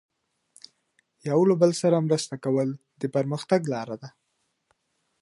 یو له بل سره مرسته کول د پرمختګ لاره ده.